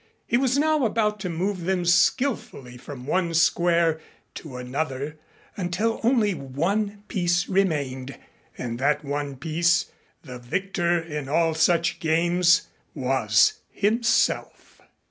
He was now about to move them skillfully from one square to another until only one piece remained, and that one piece, the victor in all such games, was himself.